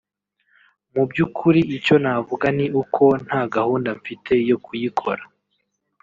mu by’ukuri icyo navuga ni uko nta gahunda mfite yo kuyikora